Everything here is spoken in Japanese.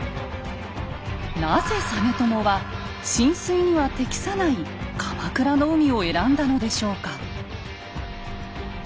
なぜ実朝は進水には適さない鎌倉の海を選んだのでしょうか？